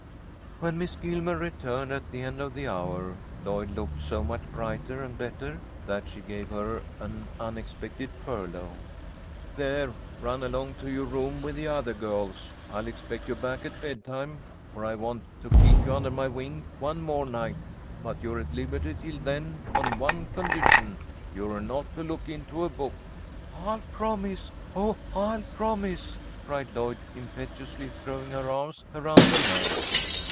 When Miss Gilmer returned at the end of the hour, Lloyd looked so much brighter and better that she gave her an unexpected furlough. "There, run along to your room with the other girls. I'll expect you back at bedtime, for I want to keep you under my wing one more night, but you're at liberty till then on one condition, you're not to look into a book." "I'll promise! Oh, I'll promise!" cried Lloyd, impetuously throwing her arms around the nurse.